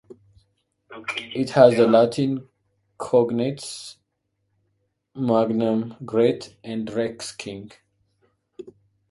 It has the Latin cognates "magnum" "great" and "rex" "king".